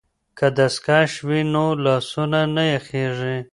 که دستکش وي نو لاسونه نه یخیږي.